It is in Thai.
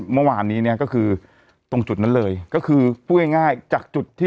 เมื่อวานนี้เนี่ยก็คือตรงจุดนั้นเลยก็คือพูดง่ายง่ายจากจุดที่